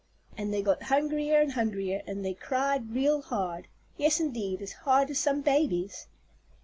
And they got hungrier and hungrier, and they cried real hard. Yes, indeed, as hard as some babies.